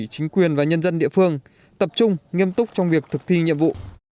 chính quyền và nhân dân địa phương tập trung nghiêm túc trong việc thực thi nhiệm vụ